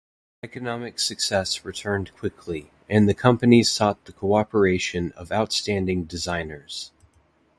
Economic success returned quickly and the company sought the cooperation of outstanding designers.